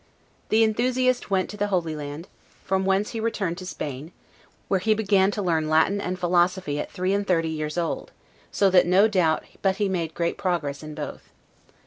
The enthusiast went to the Holy Land, from whence he returned to Spain, where he began to learn Latin and philosophy at three and thirty years old, so that no doubt but he made great progress in both.